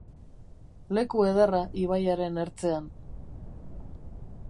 Leku ederra ibaiaren ertzean.